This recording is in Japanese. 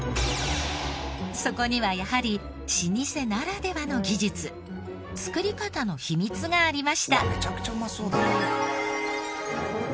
そこにはやはり老舗ならではの技術作り方の秘密がありました。